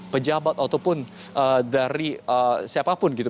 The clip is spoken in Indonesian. pejabat ataupun dari siapapun gitu